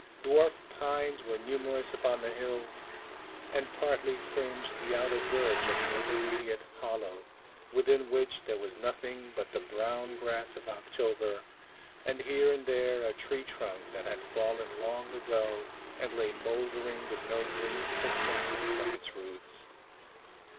Dwarf pines were numerous upon the hills, and partly fringed the outer verge of the intermediate hollow, within which there was nothing but the brown grass of October, and here and there a tree trunk that had fallen long ago, and lay mouldering with no green successor from its roots.